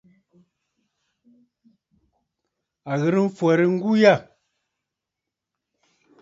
À ghɨ̀rə mfwɛ̀rə ŋgu yâ.